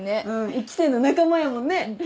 １期生の仲間やもんねフフフ。